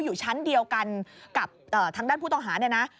อยู่ชั้นเดียวกันกับทางด้านผู้ต้องหาเนี่ยนะ